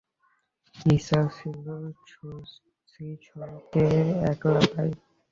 ইচ্ছা ছিল শচীশকে একলা পাই।